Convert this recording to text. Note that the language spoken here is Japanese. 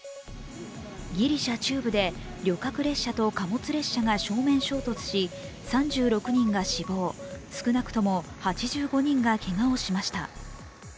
ギリシャ中部で旅客列車と貨物列車が正面衝突し、３６人が死亡、少なくとも８５人がけがをしました。